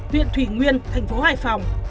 viện thủy nguyên thành phố hải phòng